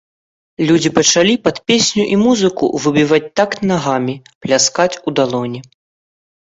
Людзі пачалі пад песню і музыку выбіваць такт нагамі, пляскаць у далоні.